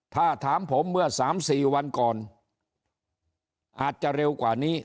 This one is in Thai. ถ้าถามผมเมื่อ๓๔วันก่อนอาจจะเร็วกว่านี้